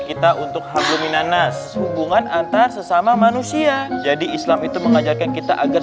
kita untuk hardominanas hubungan antar sesama manusia jadi islam itu mengajarkan kita agar